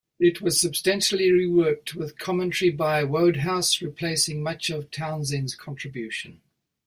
It was substantially reworked, with commentary by Wodehouse replacing much of Townend's contribution.